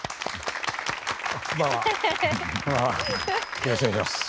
よろしくお願いします。